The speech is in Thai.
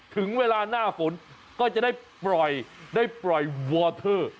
ถึงเวลาหน้าฝนก็จะได้ปล่อยได้ปล่อยวอเทอร์